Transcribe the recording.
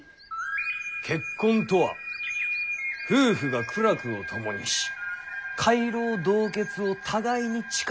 結婚とは夫婦が苦楽を共にし偕老同穴を互いに誓い合うものだ。